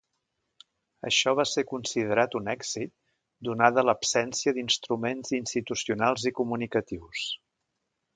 Això va ser considerat un èxit donada l'absència d'instruments institucionals i comunicatius.